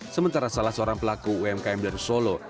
sementara salah seorang pelaku umkm dari solo